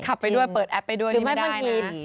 ขับไปด้วยเปิดแอปไปด้วยนี่ไม่ได้นะ